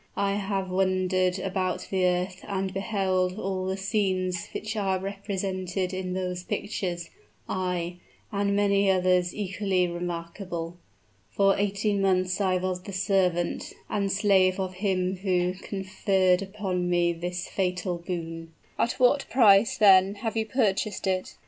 "I have wandered about the earth and beheld all the scenes which are represented in those pictures ay, and many others equally remarkable. For eighteen months I was the servant and slave of him who conferred upon me this fatal boon " "At what price, then, have you purchased it?"